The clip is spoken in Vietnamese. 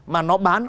mà nó bán